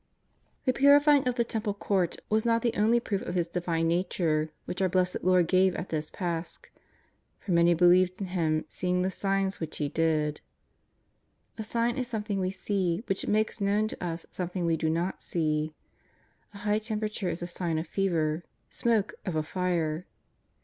The purifying of the Temple Court was not the only proof of His Divine Power which our Blessed Lord gave at this Pasch, " for many believed in Him seeing the signs which He did." A sign is something we see which makes known to us something we do not see. A high temperature is a sign of fever ; smoke, of a fire.